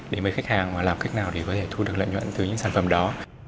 để mấy khách hàng làm cách nào có thể thu được lợi nhuận từ những sản phẩm đó